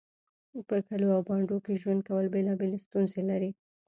په کليو او بانډو کې ژوند کول بيلابيلې ستونزې لري